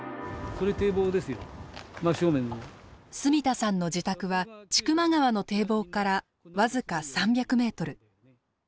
住田さんの自宅は千曲川の堤防から僅か３００メートル。